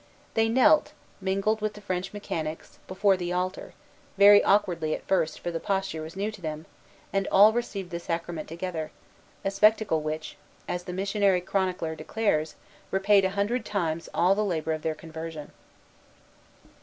They knelt, mingled with the French mechanics, before the altar, very awkwardly at first, for the posture was new to them, and all received the sacrament together: a spectacle which, as the missionary chronicler declares, repaid a hundred times all the labor of their conversion.